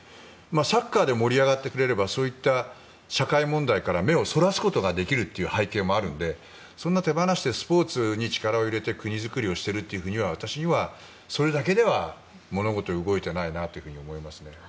サッカーで盛り上がってくれればそういった社会問題から目をそらすこともできるという背景もあるのでそんな手放しで、国作りでスポーツに力を入れているという私にはそれだけでは物事が動いていないと思います。